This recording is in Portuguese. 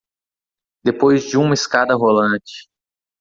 Depois de uma escada rolante